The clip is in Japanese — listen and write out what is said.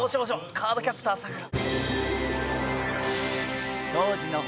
『カードキャプターさくら』。